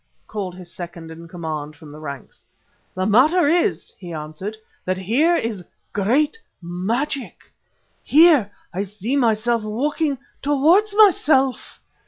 called his second in command from the ranks. "The matter is," he answered, "that here is great magic. Here I see myself walking towards myself.